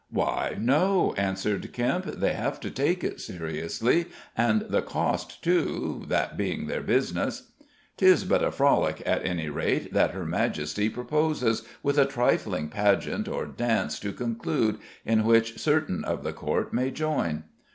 "Why, no," answered Kempe: "they have to take it seriously, and the cost too, that being their business." "'Tis but a frolic, at any rate, that her Majesty proposes, with a trifling pageant or dance to conclude, in which certain of the Court may join."